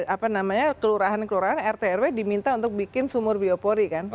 apa namanya kelurahan kelurahan rt rw diminta untuk bikin sumur biopori kan